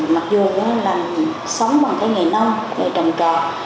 mặc dù vẫn là sống bằng cái ngày nông ngày trầm trọt